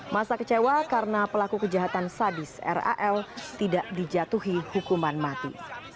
masa kecewa karena pelaku kejahatan sadis ral tidak dijatuhi hukuman mati